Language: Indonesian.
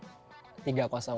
masih tidak bisa menang